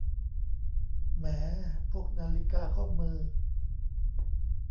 แหม พวกนาฬิกาข้อมือ